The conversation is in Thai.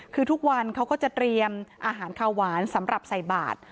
คือทุกวันเขาก็จะเตรียมอาหารข้าวหวานสำหรับใส่บาท